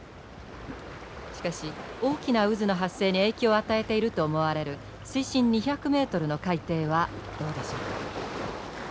しかし大きな渦の発生に影響を与えていると思われる水深２００ｍの海底はどうでしょうか？